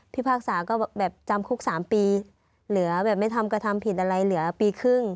พากษาก็แบบจำคุก๓ปีเหลือแบบไม่ทำกระทำผิดอะไรเหลือปีครึ่ง